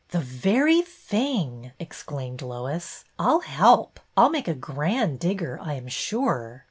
"The very thing!" exclaimed Lois. "I'll help. I 'll make a grand digger, I am sure."